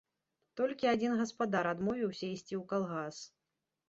Толькі адзін гаспадар адмовіўся ісці ў калгас.